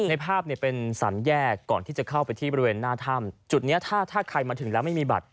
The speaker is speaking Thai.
ในภาพเนี่ยเป็นสามแยกก่อนที่จะเข้าไปที่บริเวณหน้าถ้ำจุดนี้ถ้าถ้าใครมาถึงแล้วไม่มีบัตร